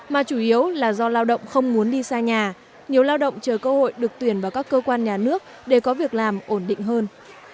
mà chủ yếu là do lao động không muốn đi xa nhà nhiều lao động chờ cơ hội được tuyển vào các cơ quan nhà nước để có việc làm ổn định hơn